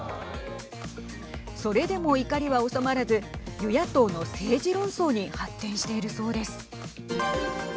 それでも怒りは収まらず与野党の政治論争に発展しているそうです。